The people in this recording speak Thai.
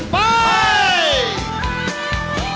ไป